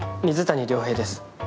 水谷亮平です。